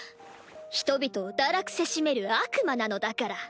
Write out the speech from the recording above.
人々を堕落せしめる悪魔なのだから。